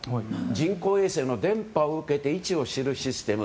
人工衛星の電波を受けて位置を知るシステム。